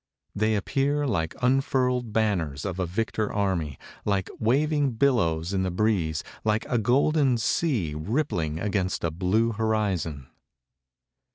They appear like unfurled banners of a victor army, like waving billows in the breeze, like a golden sea, rippling against a blue horizon.